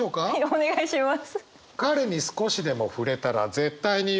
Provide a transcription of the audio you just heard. お願いします。